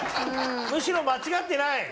むしろ間違ってない。